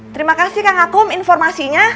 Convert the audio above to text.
terima kasih kang hakum informasinya